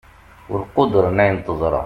ur quddren ayen teẓṛa